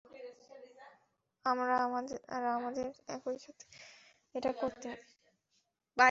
আর আমাদের একসাথেই এটা করতে হবে।